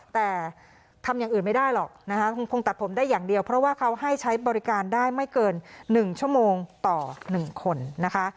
แต่ทำอย่างอื่นไม่ได้หรอกนะคะคงตัดผมได้อย่างเดียวเพราะว่าเขาให้ใช้บริการได้ไม่เกิน๑ชั่วโมงต่อ๑คนนะคะ